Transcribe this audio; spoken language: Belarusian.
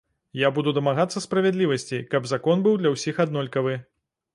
Я буду дамагацца справядлівасці, каб закон быў для ўсіх аднолькавы.